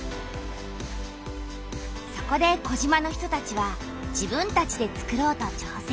そこで児島の人たちは自分たちでつくろうとちょうせん！